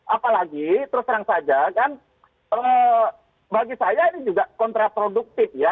apalagi terus terang saja kan bagi saya ini juga kontraproduktif ya